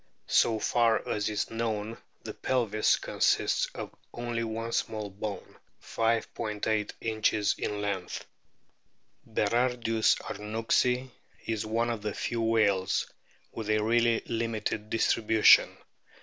So far as is known the pelvis consists of only one small bone, 5 '8 inches in length. Berardius arnouxi is one of the few whales with a really limited distribution.